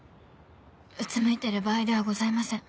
うつむいてる場合ではございません